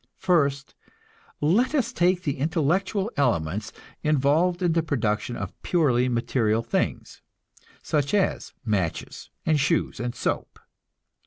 First, let us take the intellectual elements involved in the production of purely material things, such as matches and shoes and soap.